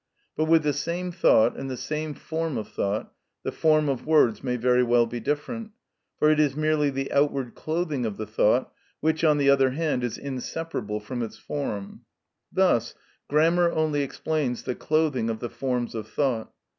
But with the same thought and the same form of thought the form of words may very well be different, for it is merely the outward clothing of the thought, which, on the other hand, is inseparable from its form. Thus grammar only explains the clothing of the forms of thought.